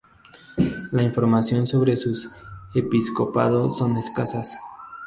Las informaciones sobre su episcopado son escasas.